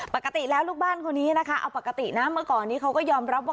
ปกติแล้วลูกบ้านคนนี้นะคะเอาปกตินะเมื่อก่อนนี้เขาก็ยอมรับว่า